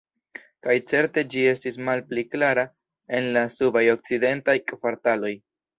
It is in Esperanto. Kaj certe ĝi estis malpli klara en la subaj okcidentaj kvartaloj.